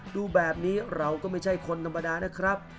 ดูแบบนี้เราก็ไม่ใช่คนธรรมดานะครับ